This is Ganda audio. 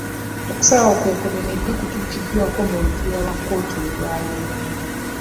Okusalawo okwenkomeredde kwatuukiddwako mu lutuula lwa kkooti olwa leero.